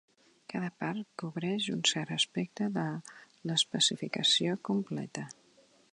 Cada part cobreix un cert aspecte de l'especificació completa.